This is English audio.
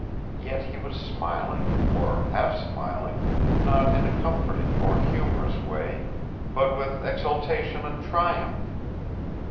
Yet he was smiling, or half smiling, not in a comforting or humorous way, but with exultation and triumph.